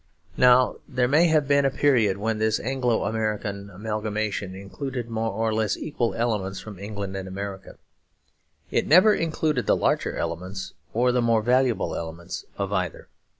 Now there may have been a period when this Anglo American amalgamation included more or less equal elements from England and America. It never included the larger elements, or the more valuable elements of either.